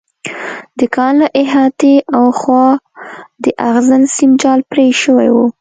د کان له احاطې هاخوا د اغزن سیم جال پرې شوی و